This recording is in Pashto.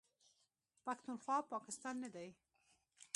پښتونخوا، پاکستان نه دی.